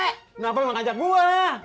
kenapa lu ngajak gue lah